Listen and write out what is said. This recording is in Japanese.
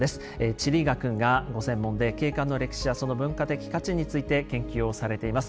地理学がご専門で景観の歴史やその文化的価値について研究をされています。